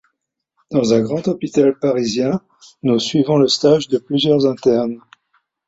Dans un grand hôpital parisien nous suivons le stage de plusieurs internes.